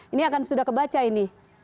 ini akan sudah kebaca ini